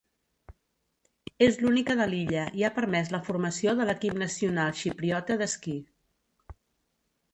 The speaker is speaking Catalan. És l'única de l'illa i ha permès la formació de l'equip nacional xipriota d'esquí.